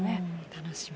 楽しみ。